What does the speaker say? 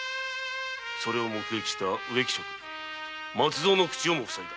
それを目撃した植木職松造の口をもふさいだ。